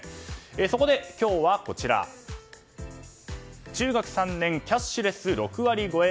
そこで、今日は中学３年キャッシュレス６割超え